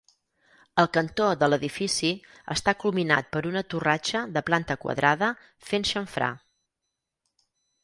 El cantó de l'edifici està culminat per una torratxa de planta quadrada fent xamfrà.